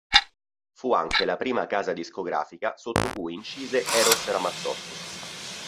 Fu anche la prima casa discografica sotto cui incise Eros Ramazzotti.